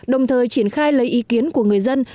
đồng thời triển khai lấy ý kiến của người dân